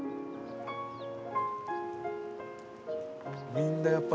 みんなやっぱり。